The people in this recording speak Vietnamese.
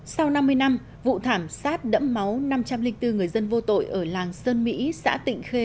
sau năm mươi năm vụ thảm sát đẫm máu năm trăm linh bốn người dân vô tội ở làng sơn mỹ xã tịnh khê